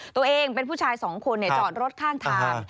ตัวเองเป็นผู้ชายสองคนจอดรถข้างทาง